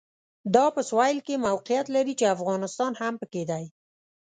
دا په سوېل کې موقعیت لري چې افغانستان هم پکې دی.